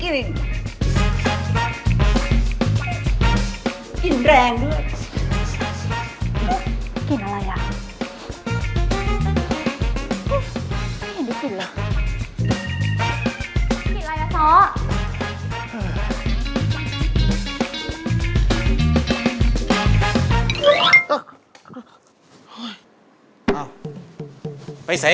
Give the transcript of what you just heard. ทหาร